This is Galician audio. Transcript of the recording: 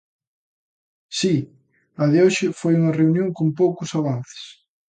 Si, a de hoxe foi unha reunión con poucos avances.